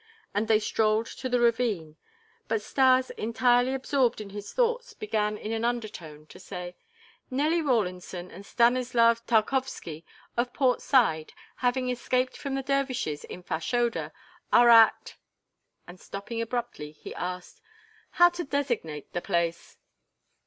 And they strolled to the ravine. But Stas, entirely absorbed in his thoughts, began in an undertone to say: "'Nelly Rawlinson and Stanislas Tarkowski of Port Said, having escaped from the dervishes in Fashoda, are at '" And stopping abruptly, he asked: "How to designate the place?"